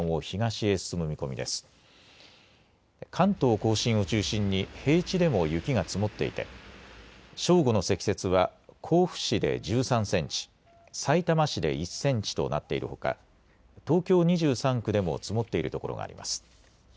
甲信を中心に平地でも雪が積もっていて正午の積雪は甲府市で１３センチ、さいたま市で１センチとなっているほか東京２３区でも積もっているところがあります。